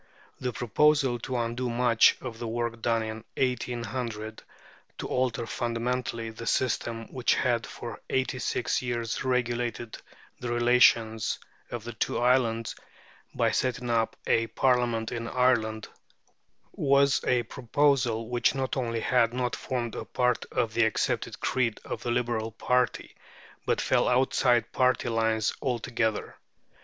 The proposal to undo much of the work done in 1800, to alter fundamentally the system which had for eighty six years regulated the relations of the two islands, by setting up a Parliament in Ireland, was a proposal which not only had not formed a part of the accepted creed of the Liberal party, but fell outside party lines altogether.